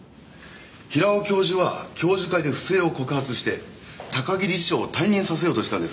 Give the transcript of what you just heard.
平尾教授は教授会で不正を告発して高木理事長を退任させようとしたんです。